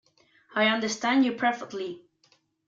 I understand you perfectly.